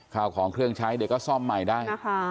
ข้าวของเครื่องใช้เด็กก็ซ่อมใหม่ได้